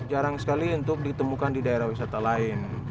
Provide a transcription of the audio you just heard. jarang sekali untuk ditemukan di daerah wisata lain